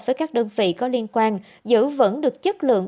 với các đơn vị có liên quan giữ vững được chất lượng